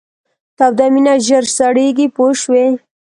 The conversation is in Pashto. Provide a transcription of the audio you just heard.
توده مینه ژر سړیږي پوه شوې!.